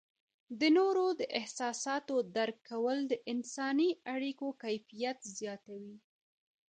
د نورو د احساساتو درک کول د انسانی اړیکو کیفیت زیاتوي.